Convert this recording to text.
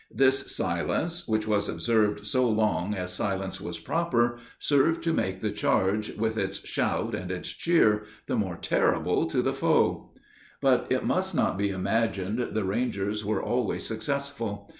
This silence, which was observed so long as silence was proper, served to make the charge, with its shout and its cheer, the more terrible to the foe. But it must not be imagined the Rangers were always successful.